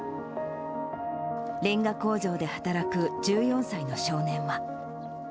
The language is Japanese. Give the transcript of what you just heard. れんが工場で働く１４歳の少年は。